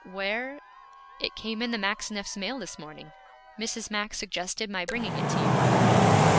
'Where ' 'It came in the Maxineffs' mail this morning. Mrs. Max suggested my bringing it to you.'